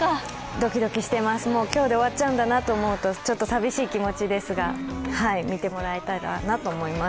ドキドキしています、もう今日で終わっちゃうんだなと思うとちょっと寂しい気持ちですが、見えもらえたらなと思います。